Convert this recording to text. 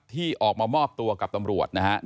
ที่ออกมามอบตัวกับตำรวจนะครับ